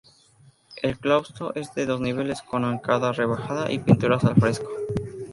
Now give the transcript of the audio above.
El claustro es de dos niveles con arcada rebajada y pinturas al fresco.